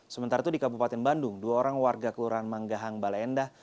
sementara itu di kabupaten bandung dua orang warga kelurahan manggahang balai endah